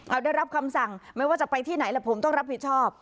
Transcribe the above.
เอาได้รับคำสั่งไม่ว่าจะไปที่ไหนแล้วผมต้องรับผิดชอบ